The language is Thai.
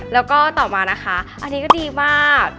แล้วก็ต่อมานะคะอันนี้ก็ดีมาก